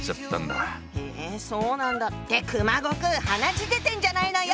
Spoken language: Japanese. へそうなんだって熊悟空鼻血出てんじゃないのよ！